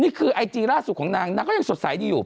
นี่คือไอจีล่าสุดของนางนางก็ยังสดใสดีอยู่